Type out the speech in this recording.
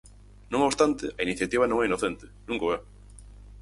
Non obstante, a iniciativa non é inocente, nunca o é.